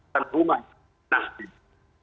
dan rumah nasib